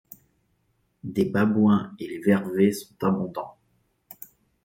Des babouins et les vervets sont abondants.